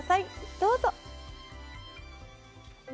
どうぞ！